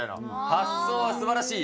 発想はすばらしい。